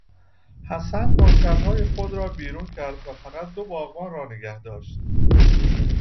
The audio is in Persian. حسن نوکرهای خود را بیرون کرد و فقط دو باغبان را نگاه داشت.